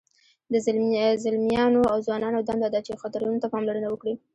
د ځلمیانو او ځوانانو دنده ده چې خطرونو ته پاملرنه وکړي.